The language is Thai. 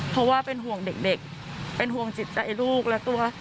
เพราะว่าเป็นห่วงเด็กเป็นห่วงจิตใจลูกและตัว